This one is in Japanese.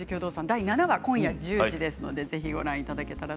第７話今夜１０時ですのでぜひご覧ください。